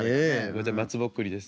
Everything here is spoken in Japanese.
こちら松ぼっくりです。